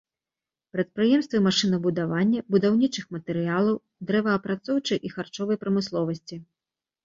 Прадпрыемствы машынабудавання, будаўнічых матэрыялаў, дрэваапрацоўчай і харчовай прамысловасці.